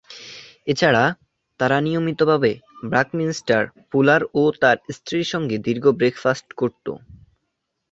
এছাড়া, তারা নিয়মিতভাবে বাকমিনস্টার ফুলার ও তার স্ত্রীর সঙ্গে দীর্ঘ ব্রেকফাস্ট করত।